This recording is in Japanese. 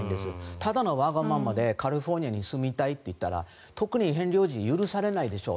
ただのわがままでカリフォルニアに住みたいと言ったらとくにヘンリー王子許されないでしょう。